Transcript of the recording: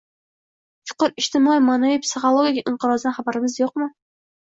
chuqur ijtimoiy-ma’naviy-psixologik inqirozdan xabarimiz bormi? Yo‘q!